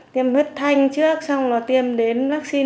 tiêm hướt thanh trước xong rồi tiêm đến